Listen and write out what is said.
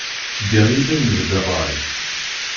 Ddiɣ yid-m deg ṛṛay.